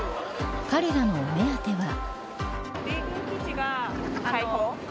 彼らのお目当ては。